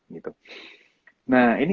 gitu nah ini